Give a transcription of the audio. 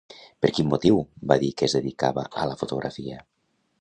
Per quin motiu va dir que es dedicava a la fotografia?